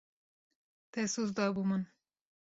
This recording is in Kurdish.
Te soz dabû min.